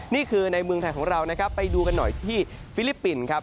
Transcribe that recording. นี่คือในเมืองไทยของเราไปดูกันหน่อยที่ฟิลิปปินส์